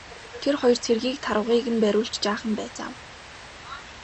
Тэр хоёр цэргийг тарвагыг нь бариулж жаахан байцаав.